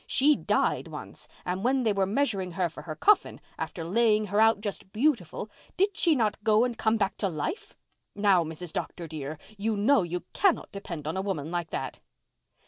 "She died once and when they were measuring her for her coffin, after laying her out just beautiful, did she not go and come back to life! Now, Mrs. Dr. dear, you know you cannot depend on a woman like that."